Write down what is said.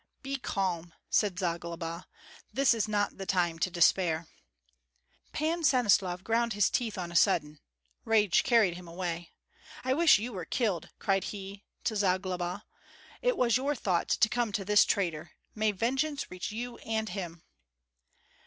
"Be calm!" said Zagloba; "this is not the time to despair." Pan Stanislav ground his teeth on a sudden; rage carried him away. "I wish you were killed!" cried he to Zagloba. "It was your thought to come to this traitor. May vengeance reach you and him!"